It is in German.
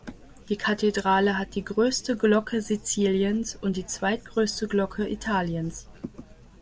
Die Kathedrale hat die größte Glocke Siziliens und die zweitgrößte Glocke Italiens.